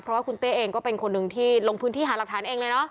เพราะว่าคุณเต้เองก็เป็นคนหนึ่งที่ลงพื้นที่หาหลักฐานเองเลยเนาะ